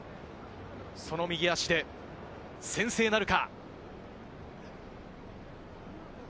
その右足で先制なるか？